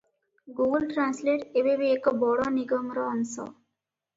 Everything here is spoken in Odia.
ଗୁଗୁଲ ଟ୍ରାନ୍ସଲେଟ ଏବେ ବି ଏକ ବଡ଼ ନିଗମର ଅଂଶ ।